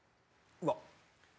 うわっ。